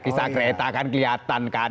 di sakret akan kelihatan kan